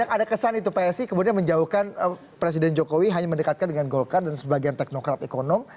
ada kesan itu psi kemudian menjauhkan presiden jokowi hanya mendekatkan dengan golkar dan sebagian teknokrat ekonom